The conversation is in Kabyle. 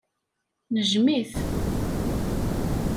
Nejjem-it.